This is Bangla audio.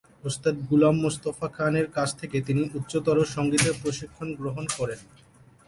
ওস্তাদ গুলাম মোস্তফা খান এর কাছ থেকে তিনি উচ্চতর সঙ্গীতের প্রশিক্ষণ গ্রহণ করেন।